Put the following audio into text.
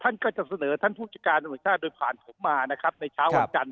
ท่านก็จะเสนอท่านผู้จัดการสมุทรชาติโดยผ่านผมมาในเช้าวันจันทร์